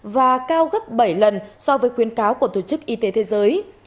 và cao gấp bảy lần so với khuyến cáo của tổ chức y tế thế giới